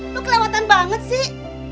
lu kelewatan banget sih